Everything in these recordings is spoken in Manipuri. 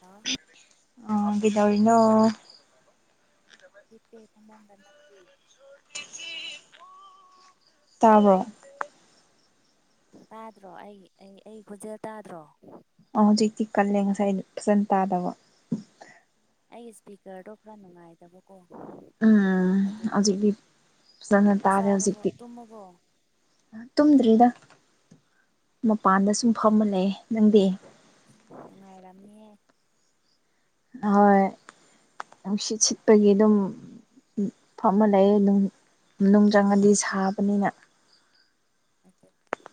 ꯍꯥꯎ ꯑꯥ ꯀꯩꯗꯧꯔꯤꯅꯣ ꯍꯤꯞꯄ‌ꯦ ꯐꯃꯨꯡꯗ ꯅꯪꯗꯤ ꯇꯥꯕ꯭ꯔꯣ ꯇꯥꯗ꯭ꯔꯣ ꯑꯩ ꯑꯩ ꯑꯩ ꯈꯣꯖꯦꯜ ꯇꯥꯗ꯭ꯔꯣ ꯑꫭ ꯍꯧꯖꯤꯛꯇꯤ ꯀꯜꯂꯦ ꯉꯁꯥꯏꯗ ꯐꯖꯅꯥ ꯇꯥꯗꯕ ꯑꯩꯒꯤ ꯏꯁꯄꯤꯀꯔꯗꯣ ꯈꯔ ꯅꯨꯡꯉꯥꯏꯇꯕꯥ ꯀꫭ ꯎꯝ ꯑꯗꯨꯒꯤ ꯍꯧꯖꯤꯛꯇꯤ ꯐꯖꯅ ꯆꯥꯛ ꯆꯥꯔꯕꯣ ꯇꯨꯝꯃꯕꯣ ꯇꯨꯝꯗ꯭ꯔꯤꯗꯥꯥ ꯃꯄꯥꯟꯗ ꯁꯨꯝ ꯐꯝꯃ ꯂꯩꯌꯦ ꯅꯪꯗꯤ ꯑꯁ ꯅꯨꯡꯉꯥꯏꯔꯝꯅꯤꯌꯦ ꯍꯣꯏ ꯅꯨꯡꯁꯤꯠ ꯁꯤꯠꯄꯒꯤ ꯑꯗꯨꯝ ꯎꯝ ꯐꯝꯃ ꯂꯩ ꯅꯨꯡ ꯃꯅꯨꯡ ꯆꯥꯡꯉꯗꯤ ꯁꯥꯕꯅꯤꯅ ꯅꯠꯇꯦ ꯎꯝ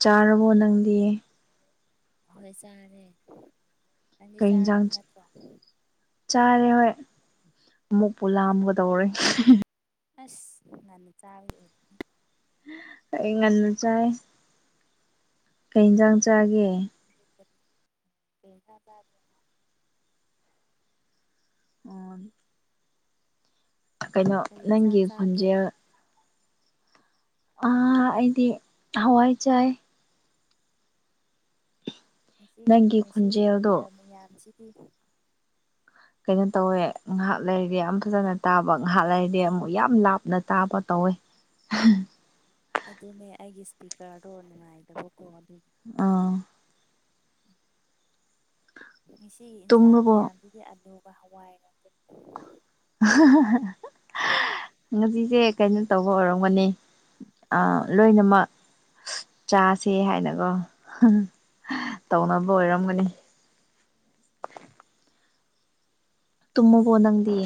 ꯆꯥꯔꯕꯣ ꯅꯪꯗꯤ ꯍꯣꯏ ꯆꯥꯔꯦ ꯅꯪꯗꯤ ꯀꯩ ꯏꯟꯖꯥꯡ ꯆꯥꯔꯕ ꯅꯠꯇ꯭ꯔꯣ ꯆꯥꯔꯦ ꯍꯣꯏ ꯑꯃꯨꯛꯄꯨ ꯂꯥꯝꯒꯗꯧꯔꯦ ꯑꯁ ꯉꯟꯅꯥ ꯆꯥꯕꯩ ꯑꯣꯏꯅꯤ ꯑꯩ ꯉꯥꯟꯅ ꯆꯥꯏ ꯀꯩ ꯖꯥꯡ ꯆꯥꯒꯦ [unintelligible] ꯀꯩꯖꯥꯡ ꯆꯥꯒꯦ ꯑꯣ ꯀꯩꯅꯣ ꯀꯔꯤ ꯏꯟꯁꯥꯡ ꯅꯪꯒꯤ ꯆꯥꯒꯦ ꯈꯣꯟꯖꯦꯜ ꯑꯥ ꯑꯩꯗꯤ ꯍꯋꯥꯏ ꯆꯥꯏ ꯉꯥꯁꯤꯒꯤ ꯅꯪꯒꯤ ꯉꯥꯁꯤꯒꯤ ꯈꯣꯟꯖꯦꯜꯗꯣ ꯃꯊꯦꯜ ꯃꯌꯥꯝꯁꯤꯗꯤ ꯀꯩꯅꯣ ꯇꯧꯋꯦ ꯉꯍꯥꯛ ꯂꯩꯔꯗꯤ ꯌꯥꯝ ꯐꯖꯅ ꯇꯥꯕ ꯉꯍꯥꯛ ꯂꯩꯔꯗꯤ ꯑꯃꯨꯛ ꯌꯥꯝ ꯂꯥꯞꯅ ꯇꯥꯕ ꯇꯧꯋꯦ [inaudible] ꯑꯗꯨꯅꯦ ꯑꯩꯒꯤ ꯁ꯭ꯄꯤꯀꯔꯗꯣ ꯅꯨꯡꯉꯥꯏꯇꯕꯀꯣ ꯑꯗꯨꯒꯤ ꯑꯥ ꯉꯁꯤꯒꯤ ꯏꯟꯁꯥꯡ ꯇꯨꯝꯃꯕꯣ ꯃꯌꯥꯝꯁꯤꯗꯤ ꯑꯥꯂꯨꯒ ꯍꯋꯥꯏ ꯉꯥꯛꯇ ꯉꯁꯤꯁꯦ ꯀꯩꯅꯣ ꯇꯧꯕ ꯑꯣꯏꯔꯝꯒꯅꯤ ꯑ ꯂꯣꯏꯅꯃꯛ ꯆꯥꯁꯦ ꯍꯥꯏꯅꯀꯣ ꯇꯧꯅꯕ ꯑꯣꯏꯔꯝꯒꯅꯤ ꯇꯨꯝꯃꯕꯣ ꯅꯪꯗꯤ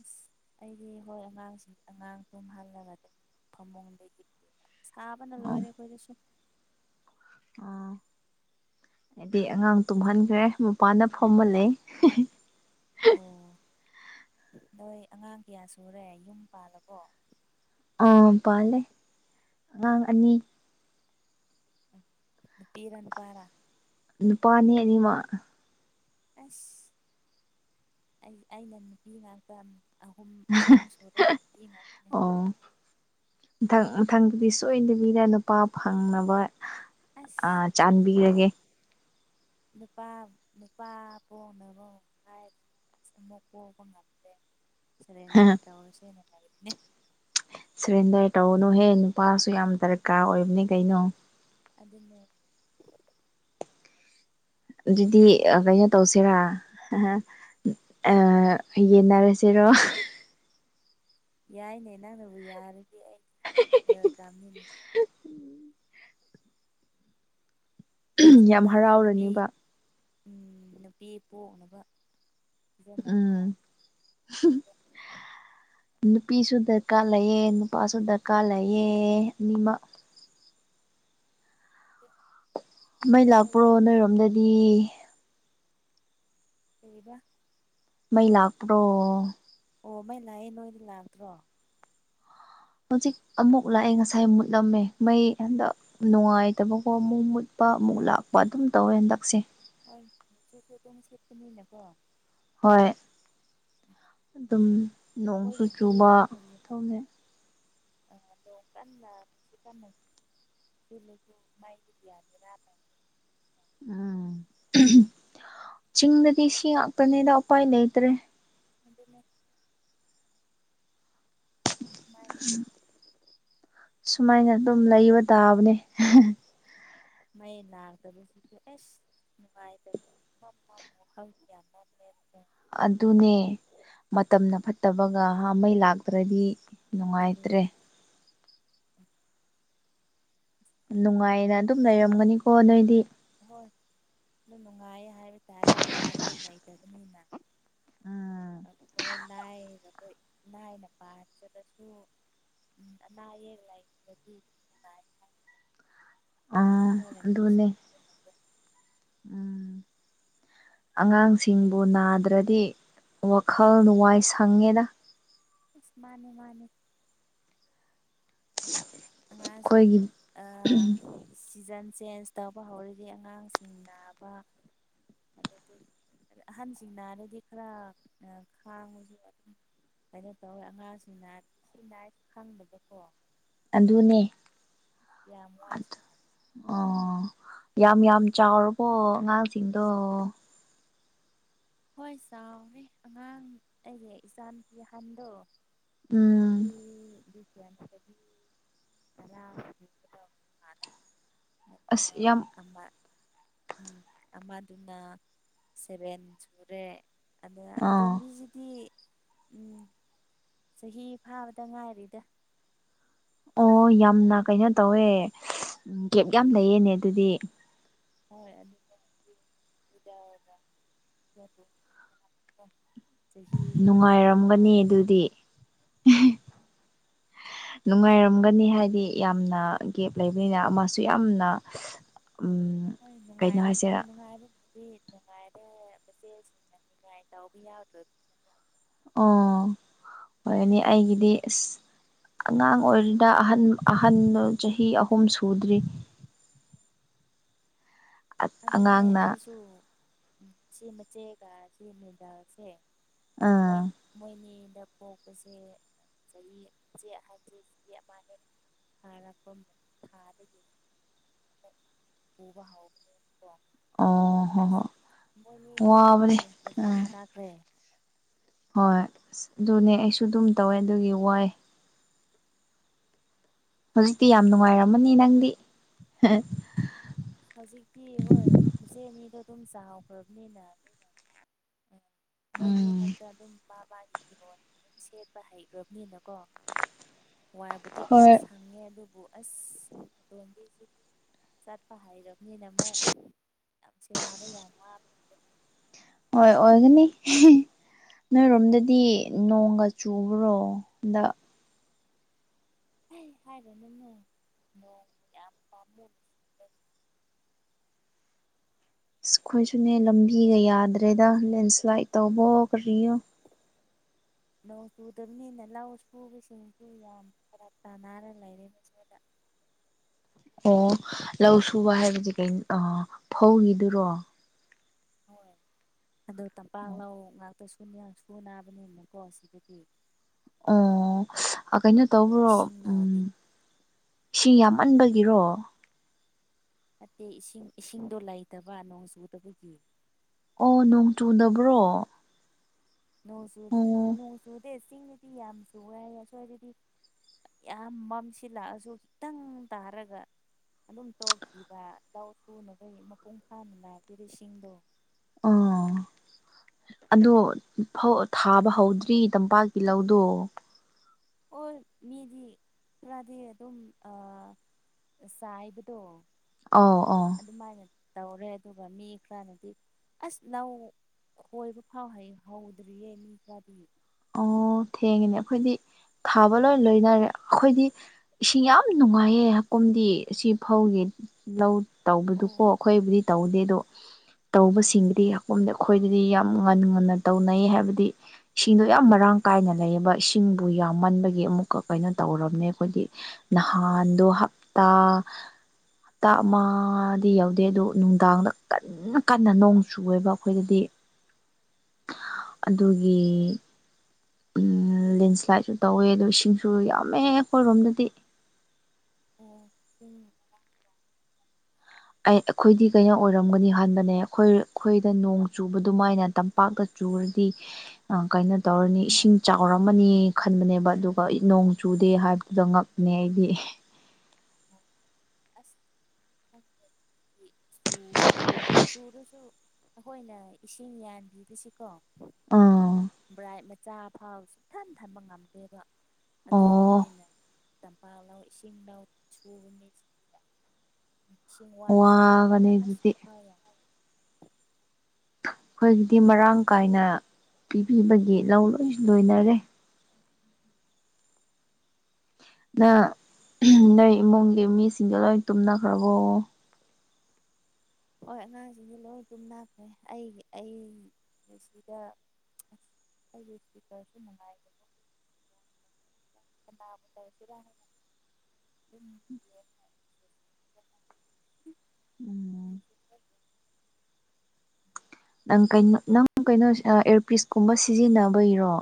ꯑꯁ ꯑꯩꯗꯤ ꯍꯣꯏ ꯑꯉꯥꯡꯁꯤꯡ ꯑꯉꯥꯡ ꯇꯨꯝꯍꯜꯂꯒ ꯑꯗꯨꯝ ꯐꯃꯨꯡꯗ ꯍꯤꯞ ꯁꯥꯕꯅ ꯑꯣ ꯂꯣꯏꯔꯦ ꯑꯈꯣꯏꯗꯁꯨ ꯑꯥ ꯑꯩꯗꯤ ꯑꯉꯥꯡ ꯇꯨꯝꯍꯟꯈ꯭ꯔꯦ ꯃꯄꯥꯟꯗ ꯐꯝꯃ ꯂꯩ ꯑꯣ ꯅꯣꯏ ꯑꯉꯥꯡ ꯀꯌꯥ ꯁꯨꯔꯦ ꯌꯨꯝ ꯄꯥꯜꯂꯕꯣ ꯑ ꯄꯜꯂꯦ ꯑꯉꯥꯡ ꯑꯅꯤ ꯅꯨꯄꯤꯔ ꯅꯨꯄꯥꯔ ꯅꯨꯄꯥꯅꯦ ꯑꯅꯤꯃꯛ ꯑꯁ ꯑꯩ ꯑꯩꯅ ꯅꯨꯄꯤ ꯉꯥꯛꯇ ꯑꯍꯨꯝ ꯑꯍꯨꯝ ꯁꯨꯔꯦ ꯅꯨꯄꯤ ꯉꯥꯛꯇꯅꯦ ꯑꯣ ꯃꯊꯪ ꯃꯊꯪꯗꯗꯤ ꯁꯣꯏꯗꯕꯤꯗ ꯅꯨꯄꯥ ꯐꯪꯅꯕ ꯑꯥ ꯑꯁ ꯈꯨꯝꯃꯨ ꯈꯨꯝꯃꯨ ꯆꯥꯟꯕꯤꯔꯒꯦ ꯅꯨꯄꯥ ꯅꯨꯄꯥ ꯄꯣꯛꯅꯕ ꯑꯃꯨꯛ ꯍꯥꯏꯔꯤ ꯑꯁ ꯑꯃꯨꯛ ꯄꯣꯛꯄ ꯉꯝꯗ꯭ꯔꯦ ꯍꯥꯍꯥ ꯁꯔꯦꯟꯗꯔ ꯇꯧꯔꯁꯦꯅ ꯍꯥꯏꯕꯅꯦ ꯁꯔꯦꯟꯗꯔ ꯇꯧꯅꯨꯍꯦ ꯅꯨꯄꯥꯁꯨ ꯌꯥꯝ ꯗꯔꯀꯥꯔ ꯑꯣꯏꯕꯅꯦ ꯀꯩꯅꯣ ꯑꯗꯨꯅꯦ ꯑꯗꯨꯗꯤ ꯑꯥ ꯀꯩꯅꯣ ꯇꯧꯁꯤꯔ ꯑꯥ ꯌꯦꯟꯅꯔꯁꯦꯔꯣ ꯌꯥꯏꯅꯦ ꯅꯪꯅꯕꯨ ꯌꯥꯔꯗꯤ ꯑꯩꯗꯤ ꯋꯦꯜꯀꯝꯅꯤꯅꯦ ꯅꯪꯁꯨ ꯌꯥꯝ ꯃꯊꯥꯡꯗ ꯅꯨꯄꯤ ꯍꯔꯥꯎꯔꯅꯦꯕ ꯎꯝ ꯅꯨꯄꯤ ꯄꯣꯛꯅꯕ ꯎꯝ꯫ ꯗꯨꯒꯥ ꯅꯨꯄꯤꯁꯨ ꯗꯔꯀꯥꯔ ꯂꯩꯌꯦ ꯅꯨꯄꯥꯁꯨ ꯗꯔꯀꯥꯔ ꯂꯩꯌꯦ ꯑꯅꯤꯃꯛ [inaudible] ꯃꯩ ꯂꯥꯛꯄ꯭ꯔꯣ ꯏꯁꯣꯔꯒꯤ ꯅꯣꯏꯔꯣꯝꯗꯗꯤ ꯀꯩ ꯍꯥꯏꯕ ꯃꯩ ꯂꯥꯛꯄ꯭ꯔꯣ ꯑꯣ ꯃꯩꯂꯥꯛꯑꯦ ꯅꯣꯏꯗꯤ ꯂꯥꯛꯇ꯭ꯔꯣ ꯍꯧꯖꯤꯛ ꯑꯃꯨꯛ ꯂꯛꯑꯦ ꯉꯁꯥꯏ ꯃꯨꯠꯂꯝꯃꯦ ꯃꯩ ꯍꯟꯗꯛ ꯅꯨꯡꯉꯥꯏꯇꯕꯀꯣ ꯑꯃꯨꯛ ꯃꯨꯠꯄ ꯑꯃꯨꯛ ꯂꯥꯛꯄ ꯑꯗꯨꯝ ꯇꯧꯋꯦ ꯍꯟꯗꯛꯁꯦ ꯍꯣꯏ ꯅꯨꯡꯁꯤꯠꯁꯨ ꯑꯗꯨꯝ ꯁꯤꯠꯄꯅꯤꯅꯀꯣ ꯍꯣꯏ ꯑꯩꯈꯣꯏꯗꯗꯤ ꯑꯗꯨꯝ ꯅꯣꯡꯁꯨ ꯆꯨꯕ ꯑ ꯅꯣꯡ ꯀꯥꯟꯅ ꯅꯨꯡꯁꯤꯠ ꯀꯥꯟꯅ ꯁꯤꯠꯂꯁꯨ ꯃꯩꯗꯤ [unintelligible] ꯎꯝ ꯆꯤꯡꯗꯗꯤ ꯁꯤ ꯉꯥꯛꯇꯅꯦꯗ ꯎꯄꯥꯏ ꯂꯩꯇ꯭ꯔꯦ ꯑꯗꯨꯅꯦ ꯑꯗꯨꯃꯥꯏꯅ ꯇꯧꯋꯤ ꯁꯨꯃꯥꯏꯅ ꯑꯗꯨꯝ ꯂꯩꯕ ꯇꯥꯕꯅꯦ ꯃꯩ ꯂꯥꯛꯇꯕꯁꯤꯗꯤ ꯑꯦꯁ ꯅꯨꯡꯉꯥꯏꯇꯕ ꯃꯝ ꯃꯝ ꯋꯥꯈꯜ ꯌꯝ ꯃꯝꯃꯦꯕꯀꯣ ꯑꯗꯨꯅꯦ ꯃꯇꯝꯅ ꯐꯠꯇꯕꯒ ꯍꯥ ꯃꯩ ꯂꯥꯛꯇ꯭ꯔꯥꯗꯤ ꯅꯨꯡꯉꯥꯏꯇ꯭ꯔꯦ ꯑꯗꯨꯅꯦ [inaudible] ꯅꯨꯡꯉꯥꯏꯅ ꯑꯗꯨꯝ ꯂꯩꯔꯝꯒꯅꯤꯀꯣ ꯅꯣꯏꯗꯤ ꯑꯣꯏ ꯑꯗꯨ ꯅꯨꯡꯉꯥꯏꯌꯦ ꯍꯥꯏꯕ ꯇꯥꯔꯦ ꯑꯅꯥ ꯑꯌꯦꯛ ꯂꯩꯇꯕꯅꯤꯅ ꯎꯝ ꯑꯩꯈꯣꯏ ꯂꯥꯏꯔꯕ ꯂꯥꯏꯅ ꯄꯥꯥꯟꯖꯔꯁꯨ ꯎꯝ ꯑꯅꯥ ꯑꯌꯦꯛ ꯂꯩꯇ꯭ꯔꯥꯗꯤ ꯑꯗꯨꯝ ꯅꯨꯡꯉꯥꯏ ꯍꯥꯏ ꯑꯥ ꯏꯁꯣꯔꯅ ꯑꯗꯨꯅꯦ ꯅꯨꯡꯁꯤꯕꯤꯗꯅꯀꯣ ꯎꯝ ꯑꯉꯥꯡꯁꯤꯡꯕꯨ ꯅꯥꯗ꯭ꯔꯥꯗꯤ ꯋꯥꯈꯜ ꯋꯥꯏ ꯁꯪꯉꯦꯗ ꯑꯁ ꯃꯥꯅꯦ ꯃꯥꯅꯦ ꯑꯉꯥꯡꯁꯤꯡ ꯑꯩꯈꯣꯏꯒꯤ ꯑꯥ ꯁꯤꯖꯟ ꯆꯦꯟꯖ ꯇꯧꯕ ꯍꯧꯔꯗꯤ ꯑꯉꯥꯡꯁꯤꯡ ꯅꯥꯕ ꯑꯗꯨꯗꯤ ꯑꯗ ꯑꯍꯟꯁꯤꯡꯅꯥꯔꯗꯤ ꯈꯔ ꯑ ꯈꯥꯡꯕꯁꯨ ꯑꯗꯨꯝ ꯀꯩꯅꯣ ꯇꯧꯋꯦ ꯑꯉꯥꯡꯁꯤꯡ ꯅꯥꯔꯗꯤ ꯁꯤ ꯅꯥꯏ ꯈꯪꯗꯕꯀꯣ ꯑꯗꯨꯅꯦ ꯌꯥꯝ ꯋꯥꯏ ꯑꯣ ꯌꯥꯝ ꯌꯥꯝ ꯆꯥꯎꯔꯕꯣ ꯑꯉꯥꯡꯁꯤꯡꯗꯣ ꯍꯣꯏ ꯆꯥꯎꯔ‌ꯦ ꯑꯉꯥꯡ ꯑꯩꯒꯤ ꯏꯆꯥꯅꯨꯄꯤ ꯑꯍꯟꯗꯣ ꯎꯝ ꯆꯍꯤ ꯑꯗꯨ ꯒ꯭ꯌꯥꯟ ꯇꯥꯔꯗꯤ ꯇꯔꯥꯃꯨꯛ ꯁꯨꯒꯗ‌ꯣꯏ ꯃꯥꯜꯂ‌ꯦ ꯑꯁ ꯌꯥꯝ ꯑꯃ ꯎꯝ ꯑꯃꯗꯨꯅ ꯁꯚꯦꯟ ꯁꯨꯔꯦ ꯑꯗ ꯑꯥ ꯑꯇꯣꯝꯕꯤꯁꯤꯗꯤ ꯎꯝ ꯆꯍꯤ ꯐꯥꯕꯗ ꯉꯥꯏꯔꯤꯗ ꯑꯣ ꯌꯥꯝꯅ ꯀꯩꯅꯣ ꯇꯧꯋꯦ ꯀꯦꯞ ꯌꯥꯝ ꯂꯩꯌꯦꯅꯦ ꯑꯗꯨꯗꯤ ꯍꯣꯏ ꯑꯗꯨ [unintelligible] [unintelligible] ꯆꯍꯤ ꯃꯉꯥ ꯅꯨꯡꯉꯥꯏꯔꯝꯒꯅꯤ ꯇꯔꯨꯛ ꯑꯗꯨꯗꯤ ꯅꯨꯡꯉꯥꯏꯔꯝꯒꯅꯤ ꯍꯥꯏꯗꯤ ꯌꯥꯝꯅ ꯒꯦꯞ ꯂꯩꯕꯅꯤꯅ ꯃꯥꯁꯨ ꯌꯥꯝꯅ ꯎꯝ ꯍꯣꯏ ꯀꯩꯅꯣ ꯅꯨꯡꯉꯥꯏꯕ ꯍꯥꯏꯁꯤꯔꯥ ꯅꯨꯡꯉꯥꯏꯕ ꯑꯗꯨꯗꯤ ꯅꯨꯡꯉꯥꯏꯔꯦ ꯃꯆꯦꯁꯤꯡꯅꯅꯤꯡꯉꯥꯏ ꯇꯎꯕ ꯌꯧꯗ꯭ꯔꯕ ꯑꯣ ꯑꯣꯏꯔꯅꯤ ꯑꯩꯒꯤꯗꯤ ꯑꯁ ꯑꯉꯥꯡ ꯑꯣꯏꯔꯤꯗ ꯑꯍꯟ ꯑꯍꯟꯗꯣ ꯆꯍꯤ ꯑꯍꯨꯝ ꯁꯨꯗ꯭ꯔꯤ ꯑꯗꯨꯅꯦ ꯑꯉꯥꯡꯅ ꯑꯩꯁꯨ ꯁꯤ ꯃꯆꯦꯒ ꯁꯤ ꯃꯤꯗꯜꯁꯦ ꯃꯣꯏ ꯑꯥ ꯃꯣꯏꯅꯤꯗ ꯄꯣꯛꯄꯁꯦ ꯆꯍꯤꯁꯦ ꯑꯍꯟꯁꯦ ꯆꯍꯤ ꯑꯃ ꯍꯦꯛ ꯊꯥꯔꯛꯄ ꯊꯥꯗꯒꯤ ꯑꯃꯨꯛ ꯄꯨꯕ ꯍꯧꯕꯅꯦꯕꯀꯣ ꯑꯣ ꯍꯣ ꯍꯣ ꯑꯁ ꯃꯣꯏꯅꯤꯗꯤ ꯋꯥꯕꯅꯦ ꯇꯨꯟꯁꯀ ꯎꯝ ꯆꯞꯃꯟ ꯅꯥꯈ꯭ꯔꯦ ꯍꯣꯏ ꯑꯁ ꯑꯗꯨꯅꯦ ꯑꯩꯁꯨ ꯑꯗꯨꯝ ꯇꯧꯋꯦ ꯑꯗꯨꯒꯤ ꯋꯥꯏ ꯍꯧꯖꯤꯛꯇꯤ ꯌꯥꯝ ꯅꯨꯡꯉꯥꯏꯔꯝꯃꯅꯤ ꯅꯪꯗꯤ ꯑꯁ ꯍꯧꯖꯤꯛꯇꯤ ꯍꯣꯏ ꯃꯆꯦ ꯑꯅꯤꯗꯣ ꯑꯗꯨꯝ ꯆꯥꯎꯈ꯭ꯔꯕꯅꯤꯅ ꯑ ꯃꯣꯏꯅꯦ ꯎꯝ ꯈꯛꯇ ꯑꯗꯨꯝ ꯃꯥ ꯃꯥꯒꯤ ꯐꯤꯔꯣꯟ ꯑꯗꯨꯝ ꯁꯦꯠꯄ ꯍꯩꯈꯔꯕꯅꯤꯅꯀꯣ ꯋꯥꯏꯕꯨꯗꯤ ꯈꯔ ꯍꯣꯏ ꯁꯪꯉꯦ ꯑꯗꯨꯕꯨ ꯑꯁ ꯃꯇꯣꯟꯗꯤ ꯁꯤꯗꯤ ꯆꯠꯄ ꯍꯥꯏꯔꯕꯅꯤꯅ ꯑꯃꯨꯛ ꯌꯥꯝ ꯁꯦꯟꯅꯕ ꯌꯥꯝ ꯋꯥꯕ ꯍꯣꯏ ꯑꯣꯏꯒꯅꯤ ꯅꯣꯏꯔꯣꯝꯗꯗꯤ ꯅꯣꯡꯒ ꯆꯨꯕ꯭ꯔꯣꯗ ꯍꯟꯗꯛ ꯍꯩ ꯍꯥꯏꯔꯅꯨ ꯅꯣꯡ ꯅꯣꯡ ꯌꯥꯝ ꯄꯥꯝꯃꯨ ꯑꯁ ꯑꯩꯈꯣꯏꯁꯨꯅꯦ ꯂꯝꯕꯤꯒ ꯌꯥꯗ꯭ꯔꯦꯗ ꯂꯦꯟꯁ꯭ꯂꯥꯏꯠ ꯇꯧꯕꯑꯣ ꯎꯝ ꯀꯔꯤꯌꯣ [inaudible] ꯅꯣꯡ ꯆꯨꯗꯝꯅꯤꯅ ꯂꯧ ꯁꯨꯕꯁꯤꯡꯁꯨ ꯌꯥꯝ ꯐꯔꯛ ꯇꯥꯅꯔ ꯂꯩꯔꯦ [unintelligible] ꯑꯣ ꯂꯧ ꯁꯨꯕ ꯍꯥꯏꯕꯗꯤ ꯀꯩꯅ ꯑꯥ ꯐꯧꯒꯤꯗꯨꯔꯣ ꯍꯣꯏ ꯑꯗꯣ ꯇꯝꯄꯥꯛꯂꯧ ꯉꯥꯛꯇ ꯁꯨꯅ ꯁꯨꯅꯥꯕꯅꯤꯅꯀꯣ ꯁꯤꯗꯗꯤ ꯑꯥ ꯑ ꯀꯩꯅꯣ ꯑꯗꯣ ꯇꯧꯕ꯭ꯔꯣ ꯏꯁꯤꯡ ꯎꯝ ꯌꯥꯎꯗꯦ ꯏꯁꯤꯡ ꯌꯥꯝ ꯃꯟꯕꯒꯤꯔꯣ ꯅꯠꯇꯦ ꯏꯁꯤꯡ ꯏꯁꯤꯡꯗꯣ ꯂꯩꯇꯕ ꯅꯣꯡ ꯆꯨꯗꯕꯒꯤ ꯑꯣ ꯅꯣꯡ ꯆꯨꯗꯕ꯭ꯔꯣ ꯅꯣꯡ ꯆꯨꯗꯦ ꯑꯣ ꯅꯣꯡ ꯆꯨꯗꯦ ꯆꯤꯡꯗꯗꯤ ꯌꯥꯝ ꯆꯨꯋꯦ ꯍꯥꯏꯌꯦ ꯑꯁ꯭ꯋꯥꯏꯗꯗꯤ ꯌꯥꯝ ꯃꯝꯁꯤꯜꯂꯥꯛꯑꯁꯨ ꯈꯤꯇꯪ ꯇꯥꯔꯒ ꯑꯗꯨꯝ ꯇꯣꯛꯈꯤꯕ ꯂꯧ ꯁꯨꯅꯕꯩ ꯃꯄꯨꯡ ꯐꯥꯅ ꯂꯥꯛꯇꯦꯕ ꯏꯁꯤꯡꯗꯣ ꯑꯥ ꯑꯗꯣ ꯐꯧ ꯊꯥꯕ ꯍꯧꯗ꯭ꯔꯤ ꯇꯝꯄꯥꯛꯀꯤ ꯂꯧꯗꯣ ꯑꯣ ꯃꯤꯗꯤ ꯈꯔꯗꯤ ꯑꯗꯨꯝ ꯑꯥ ꯑꯆꯥꯏꯕꯗꯣ ꯑꯧ ꯑꯣ ꯑꯗꯨꯃꯥꯏꯅ ꯇꯧꯔꯦ ꯑꯗꯨꯒ ꯃꯤ ꯈꯔꯅꯗꯤ ꯑꯁ ꯂꯧ ꯈꯣꯏꯕ ꯐꯥꯎ ꯍꯩ ꯍꯧꯗ꯭ꯔꯤꯌꯦ ꯃꯤ ꯈꯔꯗꯤ ꯑꯣ ꯊꯦꯡꯉꯦꯅꯦ ꯑꯩꯈꯣꯏꯗꯤ ꯊꯥꯕ ꯂꯣꯏ ꯂꯣꯏꯅꯔꯦ ꯑꯩꯈꯣꯏꯗꯤ ꯏꯁꯤꯡ ꯌꯥꯝ ꯅꯨꯡꯉꯥꯏꯌꯦ ꯍꯀꯨꯝꯗꯤ ꯑꯁꯤ ꯐꯧꯒꯤ ꯂꯧ ꯇꯧꯕꯗꯨꯀꯣ ꯑꯣ ꯑꯩꯈꯣꯏꯕꯨꯗꯤ ꯇꯧꯗꯦ ꯑꯗꯣ ꯑꯣ ꯑꯣ ꯇꯧꯕꯁꯤꯡꯕꯨꯗꯤ ꯍꯀꯨꯝꯗ ꯑꯩꯈꯣꯏꯗꯗꯤ ꯌꯥꯝ ꯉꯟ ꯉꯟꯅ ꯇꯧꯅꯩ ꯍꯥꯏꯕꯗꯤ ꯏꯟꯅꯣ ꯌꯥꯝ ꯃꯔꯥꯡ ꯀꯥꯏꯅ ꯂꯩꯌꯦꯕ ꯏꯁꯤꯡꯕꯨ ꯌꯥꯝꯃꯟꯕꯒꯤ ꯑꯃꯨꯛꯀ ꯀꯩꯅꯣ ꯇꯧꯔꯕꯅꯦ ꯑꯈꯣꯏꯗꯤ ꯅꯍꯥꯟ ꯗꯣ ꯍꯞꯇꯥ ꯇꯥ ꯑꯃꯗꯤ ꯌꯧꯗꯦ ꯑꯗꯣ ꯅꯨꯡꯗꯥꯡꯗ ꯀꯟ ꯅ ꯀꯟꯅ ꯅꯣꯡ ꯆꯨꯋꯦꯕ ꯑꯩꯈꯣꯏꯗꯗꯤ ꯑꯣ ꯑꯗꯨꯒꯤ ꯎꯝ ꯂꯦꯟꯁꯂꯥꯏꯠꯁꯨ ꯇꯧꯋꯦ ꯑꯗꯣ ꯏꯁꯤꯡꯁꯨ ꯌꯥꯝꯃꯦ ꯑꯩꯈꯣꯏꯔꯣꯝꯗꯗꯤ ꯑꯣ ꯄꯨꯡ [unintelligible] ꯑꯩ ꯑꯩꯈꯣꯏꯗꯤ ꯀꯩꯅꯣ ꯑꯣꯏꯔꯝꯒꯅꯤ ꯈꯟꯕꯅꯦ ꯑꯩꯈꯣꯏ ꯑꯈꯣꯏꯗ ꯅꯣꯡ ꯆꯨꯕ ꯑꯗꯨꯃꯥꯏꯅ ꯇꯝ ꯄꯥꯛꯀ ꯆꯨꯔꯗꯤ ꯑꯥ ꯀꯥꯏꯅꯣ ꯇꯧꯔꯅꯤ ꯏꯁꯤꯡ ꯆꯥꯎꯔꯝꯃꯅꯤ ꯈꯟꯕꯅꯦꯕ ꯑꯗꯨꯒ ꯏ ꯅꯣꯡ ꯆꯨꯗꯦ ꯍꯥꯏꯕꯗꯨ ꯉꯛ ꯅꯦ ꯑꯩꯗꯤ ꯑꯁ [unintelligible] ꯁ꯭ꯀꯨꯜ ꯆꯨꯔꯁꯨ ꯑꯩꯈꯣꯏꯅ ꯏꯁꯤꯡ ꯌꯥꯟꯕꯤꯗ꯭ꯔꯁꯤꯀꯣ ꯑꯥ ꯭ꯕ꯭ꯔꯥꯏꯠ ꯃꯆꯥ ꯐꯥꯎ ꯁꯨꯛꯊꯟ ꯊꯝꯕ ꯉꯝꯗꯦꯕ ꯑꯗꯨ ꯑꯣ ꯑꯣꯏꯕꯅꯤꯅ ꯇꯝꯄꯥꯛ ꯂꯧ ꯏꯁꯤꯡ ꯂꯧ ꯁꯨꯕ ꯃꯤ ꯏꯁꯤꯡ ꯋꯥꯠꯄꯅꯤꯅꯅꯦ ꯋꯥꯒꯅꯤ ꯑꯁ ꯑꯗꯨꯗꯤ ꯃꯤꯠꯐꯌꯥ ꯑꯈꯣꯏꯒꯤꯗꯤ ꯃꯔꯥꯡ ꯀꯥꯏꯅ ꯄꯤꯕꯤꯕꯒꯤ ꯂꯧ ꯂꯣꯏ ꯂꯣꯏꯅꯔꯦ ꯅ ꯅꯣꯏ ꯏꯃꯨꯡꯒꯤ ꯃꯤꯁꯤꯡꯗꯣ ꯂꯣꯏ ꯇꯨꯝꯅꯈ꯭ꯔꯕꯣ ꯍꯣꯏ ꯑꯉꯥꯡꯁꯤꯡꯗꯤ ꯂꯣꯏ ꯇꯨꯝꯅꯈ꯭ꯔꯦ ꯑꯩꯒꯤ ꯑꯩ ꯁꯤꯗ ꯑ ꯑꯩꯒꯤ ꯏꯁꯄꯤꯀ꯭ꯔꯁꯨ ꯅꯨꯡꯉꯥꯏꯗꯦ [unintelligible] ꯎꯝ ꯅꯪ ꯀꯩꯅꯣ ꯅꯪ ꯀꯩꯅꯣ ꯑꯥ ꯑꯦꯌ꯭ꯔꯄꯤꯁꯀꯨꯝꯕ ꯁꯤꯖꯤꯟꯅꯕꯩꯔꯣ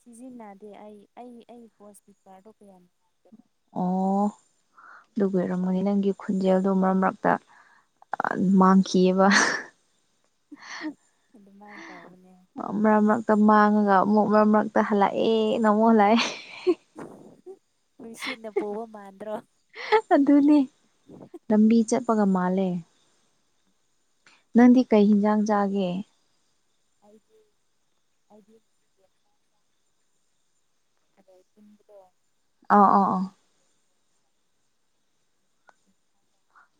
ꯁꯤꯖꯤꯟꯅꯗꯦ ꯑꯩ ꯑꯩ ꯑꯩꯒꯤ ꯄꯣꯁ ꯄꯤꯀꯔꯗꯣ ꯀꯌꯥꯝ ꯑꯣ ꯗꯨꯒꯤ ꯑꯣꯏꯔꯝꯒꯅꯤ ꯅꯪꯒꯤ ꯈꯨꯟꯖꯦꯜꯗꯣ ꯃꯔꯛ ꯃꯔꯛꯇ ꯑꯥ ꯃꯥꯡꯈꯤꯌꯦꯕ ꯑꯗꯨꯃꯥꯏꯅ ꯇꯧꯕꯅꯦ ꯃꯔꯛ ꯃꯔꯛꯇ ꯃꯥꯡꯉꯒ ꯑꯃꯨꯛ ꯃꯔꯛ ꯃꯔꯛꯇ ꯍꯜꯂꯛꯑꯦꯅ ꯑꯃꯨꯛ ꯍꯜꯂꯛꯑꯦ ꯅꯨꯡꯁꯤꯠꯅ ꯄꯨꯕꯥ ꯃꯥꯟꯗ꯭ꯔꯣ ꯑꯗꯨꯅꯦ ꯂꯝꯕꯤ ꯆꯠꯄꯒ ꯃꯥꯜꯂꯦ ꯅꯪꯗꯤ ꯀꯩ ꯍꯤꯟꯖꯥꯡ ꯆꯥꯒꯦ ꯑꯩꯒꯤ ꯑꯩꯒꯤ ꯑꯗꯩꯩ ꯇꯨꯝꯕꯗꯣ ꯑꯣ ꯑꯣ ꯑꯣ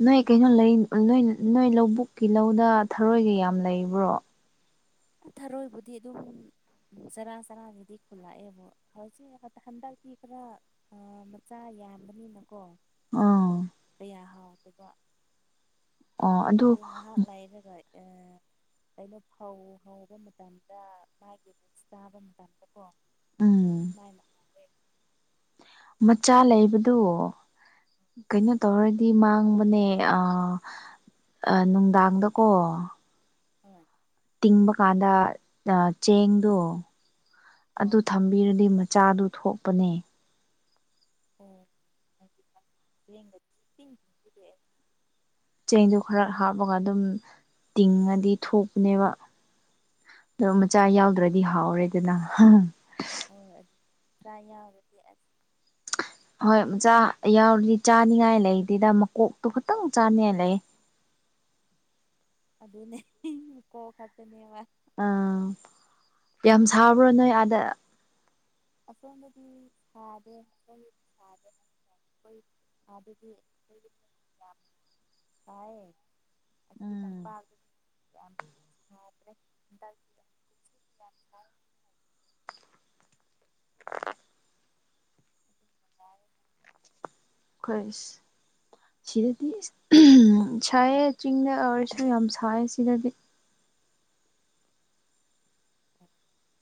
ꯅꯣꯏ ꯀꯩꯅꯣ ꯂꯩ ꯅꯣꯏ ꯅꯣꯏ ꯂꯧꯕꯨꯛꯀꯤ ꯂꯧꯗ ꯊꯔꯣꯏꯒ ꯌꯥꯝ ꯂꯩꯕ꯭ꯔꯣ ꯊꯔꯣꯏꯕꯨꯗꯤ ꯑꯗꯨꯝ ꯆꯔꯥ ꯆꯔꯥꯒꯤꯗꯤ ꯈꯨꯜꯂꯛꯑꯦꯕꯣ ꯍꯧꯖꯤꯛꯈꯛꯇꯥ ꯍꯟꯗꯛꯇꯤ ꯈꯔ ꯑꯥ ꯃꯆꯥ ꯌꯥꯝꯕꯅꯤꯅꯀꯣ ꯑꯥ ꯀꯌꯥ ꯍꯥꯎꯇꯕ ꯑꯣ ꯑꯗꯨ ꯑꯗꯣ ꯉꯥꯍꯥꯛ ꯂꯥꯏꯔꯒ ꯑꯥ ꯀꯩꯅꯣ ꯐꯧ ꯍꯧꯕ ꯃꯇꯝꯗ ꯃꯥꯒꯤ ꯆꯥꯕ ꯃꯇꯝꯗ ꯀꯣ ꯎꯝ ꯃꯥꯏꯅ ꯃꯆꯥ ꯂꯩꯕꯗꯨ ꯀꯩꯅꯣ ꯇꯧꯔꯗꯤ ꯃꯥꯡꯕꯅꯦ ꯑꯥ ꯑꯥ ꯅꯨꯡꯗꯥꯡꯗꯀꯣ ꯍꯣꯏ ꯇꯤꯡꯕꯀꯥꯟꯗ ꯗꯥ ꯆꯦꯡꯗꯣ ꯑꯗꯨ ꯑꯣ ꯊꯝ ꯄꯤꯔꯗꯤ ꯃꯆꯥꯗꯨ ꯊꯣꯛꯄꯅꯦ ꯑꯣ ꯑꯗꯨꯒꯥ [inaudible] ꯇꯤꯡ ꯆꯦꯡꯗꯣ ꯈ꯭ꯔ ꯍꯥꯞꯄꯒ ꯑꯗꯨꯝ ꯇꯤꯡꯉꯗꯤ ꯊꯨꯕꯅꯦꯕꯥ ꯗꯣ ꯃꯆꯥ ꯌꯥꯎꯗ꯭ꯔꯗꯤ ꯍꯥꯎꯔꯦꯗꯅ ꯍꯥ ꯍꯣꯏ [inaudible] ꯆꯥ ꯌꯥꯎꯔꯗꯤ ꯑꯁ ꯍꯣꯏ ꯃꯥꯆꯥ ꯌꯥꯎꯔꯗꯤ ꯆꯥꯅꯤꯡꯉꯥꯏ ꯂꯩꯇꯦꯗ ꯃꯀꯣꯛꯇꯣ ꯈꯇꯪ ꯆꯥꯅꯤꯡꯉꯥꯏ ꯂꯩ ꯑꯗꯨꯅꯦ ꯃꯀꯣ ꯈꯛꯇꯅꯦꯕ ꯑꯥ ꯌꯥꯝ ꯁꯥꯕ꯭ꯔꯣ ꯅꯣꯏ ꯑꯥꯗ [inaudible] ꯁꯥꯗꯦ [inaudible] ꯁꯥꯗꯦ ꯍꯣꯏ ꯑꯥ ꯗꯗꯤ ꯍꯣꯏꯗꯤ ꯌꯥꯝ ꯁꯥꯢꯌꯦ ꯑꯁꯤ ꯎꯝ ꯇꯝꯄꯥꯛ ꯌꯥꯝ ꯁꯥꯗ꯭ꯔꯦ ꯍꯟꯗꯛꯇꯤ ꯁꯤ ꯌꯝꯁꯥꯏ ꯁꯥꯏ ꯈꯣꯏꯁ ꯁꯤꯗꯗꯤ ꯁꯥꯏꯌꯦ ꯆꯤꯡꯗ ꯑꯣꯏꯔꯁꯨ ꯌꯥꯝ ꯁꯥꯏ ꯁꯤꯗꯗꯤ [inaudible]